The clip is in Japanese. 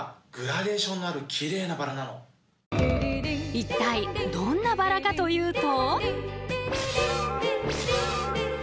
一体どんなバラかというと。